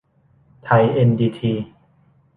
ไทย เอ็น ดี ที